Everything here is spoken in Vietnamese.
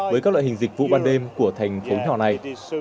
với các loại hình dịch vụ ban đêm của thành phố nhỏ này